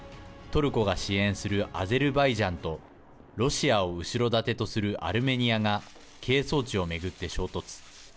トルコが支援するアゼルバイジャンとロシアを後ろ盾とするアルメニアが係争地を巡って衝突。